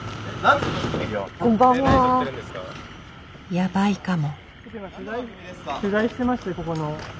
やばいかも。